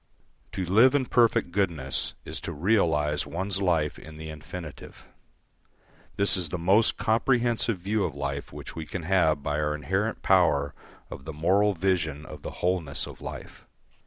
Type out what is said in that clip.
To live in perfect goodness is to realise one's life in the infinitive. This is the most comprehensive view of life which we can have by our inherent power of the moral vision of the wholeness of life.